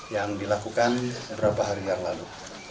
yang dilakukan beberapa hari yang lalu